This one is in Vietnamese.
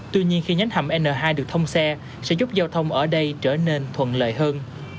tuy nhiên khi nhánh hầm n hai được thông xe sẽ giúp giao thông ở đây trở nên thuận lợi hơn